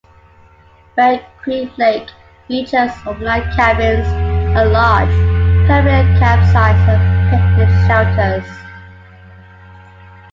Bear Creek Lake features overnight cabins, a lodge, permanent camp sites, and picnic shelters.